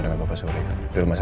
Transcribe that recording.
takut panah lalu emosi